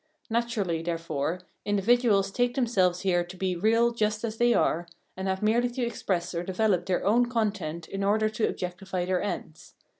Naturally therefore individuals take themselves here to be " real just as they are," and have merely to express or develop their own content in order to objectify their ends.